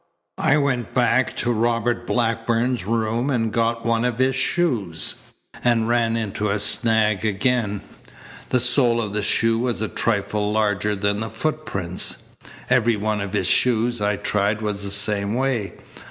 I went back to Robert Blackburn's room and got one of his shoes, and ran into a snag again. The sole of the shoe was a trifle larger than the footprints. Every one of his shoes I tried was the same way.